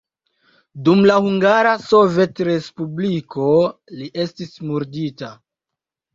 Dum la Hungara Sovetrespubliko li estis murdita.